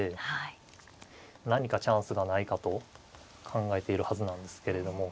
何かチャンスがないかと考えているはずなんですけれども。